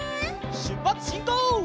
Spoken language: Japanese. しゅっぱつしんこう！